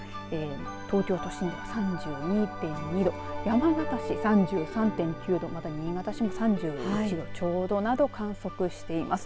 東京都心では３２．２度山形市３３．９度また新潟市も３１度ちょうどなど観測しています。